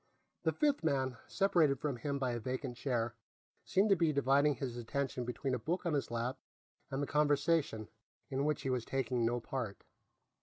The fifth man, separated from him by a vacant chair, seemed to be dividing his attention between a book on his lap and the conversation, in which he was taking no part.